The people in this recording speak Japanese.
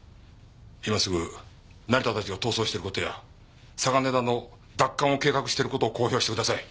今すぐ成田たちが逃走している事や嵯峨根田の奪還を計画している事を公表してください。